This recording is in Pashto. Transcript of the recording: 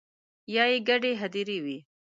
یا يې ګډې هديرې وي